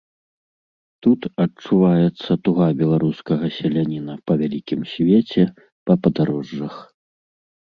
Тут адчуваецца туга беларускага селяніна па вялікім свеце, па падарожжах.